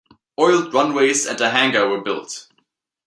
Oiled runways and a hangar were built.